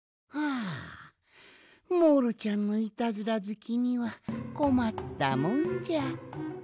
あモールちゃんのイタズラずきにはこまったもんじゃ。